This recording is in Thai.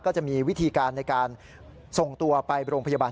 จะมีวิธีการในการส่งตัวไปโรงพยาบาล